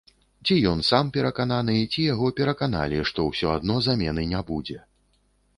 Ці ён сам перакананы, ці яго пераканалі, што ўсё адно замены не будзе.